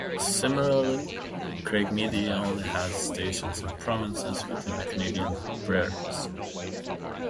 Similarly, Craig Media only had stations in provinces within the Canadian Prairies.